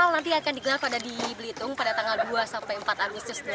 nanti akan digelar pada di belitung pada tanggal dua sampai empat agustus dua ribu